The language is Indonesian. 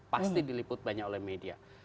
pasti diliput banyak oleh media